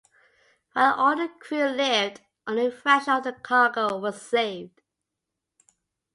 While all the crew lived, only a fraction of the cargo was saved.